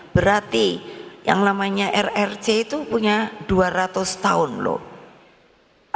berarti yang namanya rrc itu punya dua ratus tahun loh